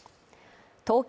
東京